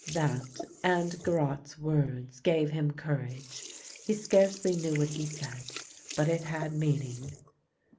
That and Garotte's words gave him courage. He scarcely knew what he said, but it had meaning.